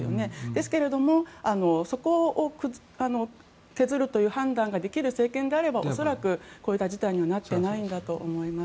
ですけれど、そこを削るという判断ができる政権であれば恐らく、こういった事態にはなっていないんだと思います。